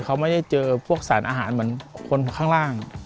เขาไม่ได้เจอพวกสารอาหารเหมือนคนข้างล่าง